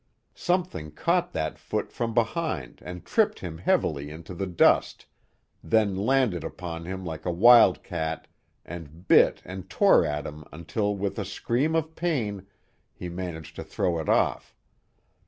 Something caught that foot from behind and tripped him heavily into the dust, then landed upon him like a wildcat and bit and tore at him until with a scream of pain he managed to throw it off.